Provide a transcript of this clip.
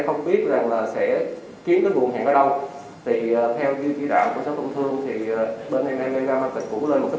kiếm cái nguồn hẹn ở đâu thì theo như chỉ đạo của sở công thương thì bên em em em em cũng lên một